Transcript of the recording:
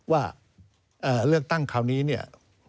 ว่าเลือกตั้งคราวนี้